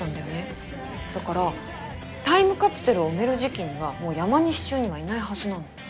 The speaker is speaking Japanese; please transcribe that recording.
だからタイムカプセルを埋める時期にはもう山西中にはいないはずなの。